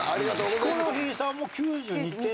ヒコロヒーさんも９２点ですね。